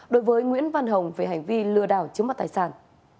đối với nguyễn văn hồng về hành vi lừa đảo chiếm mặt tài sản